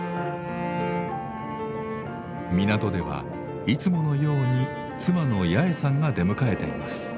港ではいつものように妻のやえさんが出迎えています。